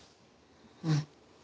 うん。